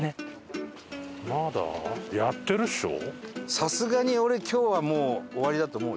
さすがに俺今日はもう終わりだと思うよ。